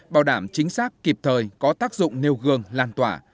bảo đảm chính xác kịp thời có tác dụng nêu gương lan tỏa